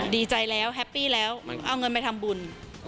ดีใจแล้วเอาเงินไปทำบุญ